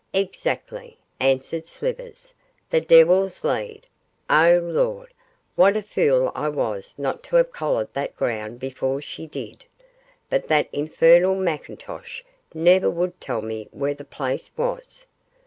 'Exactly,' answered Slivers, 'the Devil's Lead. Oh, Lord! what a fool I was not to have collared that ground before she did; but that infernal McIntosh never would tell me where the place was.